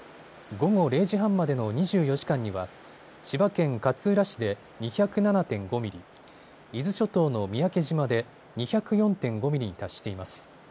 午後０時半までの２４時間には千葉県勝浦市で２０７．５ミリ、伊豆諸島の三宅島で２０４．５ミリに達しています。